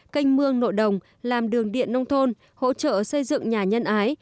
canh mương nội đồng làm đường điện nông thôn hỗ trợ xây dựng nhà nhân ái